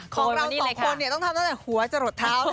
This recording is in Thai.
ของเราสองคนต้องทำตั้งแต่หัวจะหลดเท้าเลย